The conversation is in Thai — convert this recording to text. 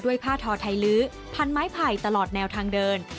ผ้าทอไทยลื้อพันไม้ไผ่ตลอดแนวทางเดิน